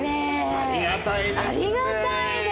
ありがたいです！